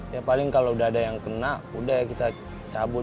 ya paling kalau udah ada yang kena udah ya kita cabut